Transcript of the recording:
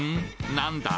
何だ？